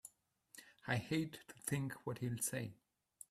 I hate to think what he'll say!